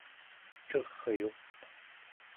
ceryuq